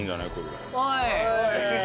おい！